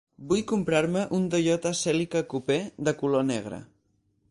Vull comprar-me un Toyota Celica Coupé de color negre.